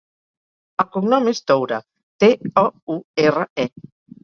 El cognom és Toure: te, o, u, erra, e.